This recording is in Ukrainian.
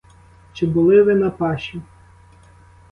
Чи були ви на паші?